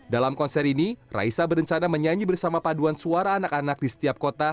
dalam konser ini raisa berencana menyanyi bersama paduan suara anak anak di setiap kota